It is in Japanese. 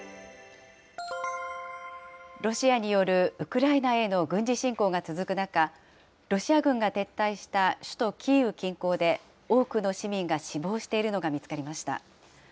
ロシアによるウクライナへの軍事侵攻が続く中、ロシア軍が撤退した首都キーウ近郊で多くの市民が死亡しているのが見つかりました。